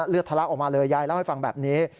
ทะลักออกมาเลยยายเล่าให้ฟังแบบนี้